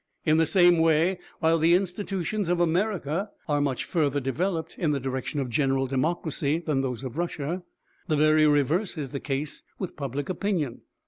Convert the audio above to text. In the same way, while the institutions of America are much further developed in the direction of general democracy than those of Russia, the very reverse is the case with public opinion.